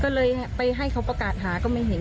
ก็เลยไปให้เขาประกาศหาก็ไม่เห็น